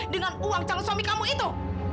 dengan uang calon suami kamu itu